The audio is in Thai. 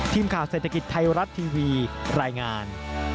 ทีมข่าวเศรษฐกิจไทยรัฐทีวีรายงาน